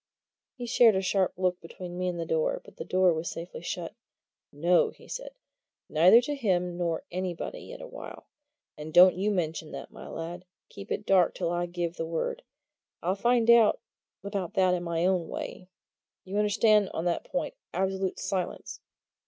He shared a sharp look between me and the door but the door was safely shut. "No!" he said. "Neither to him nor to anybody, yet a while! And don't you mention that, my lad. Keep it dark till I give the word. I'll find out about that in my own way. You understand on that point, absolute silence."